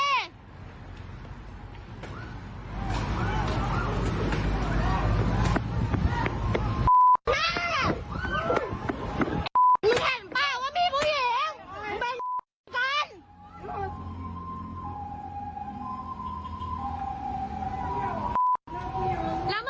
เห็นเปล่าว่ามีผู้หญิง